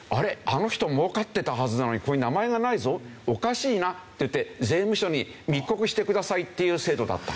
あの人もうかってたはずなのにここに名前がないぞおかしいなっていって税務署に密告してくださいっていう制度だったんです。